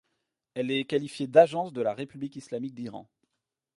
Elle est qualifiée d'agence de la république islamique d'Iran.